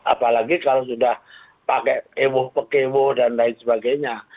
apalagi kalau sudah pakai ewo pekewo dan lain sebagainya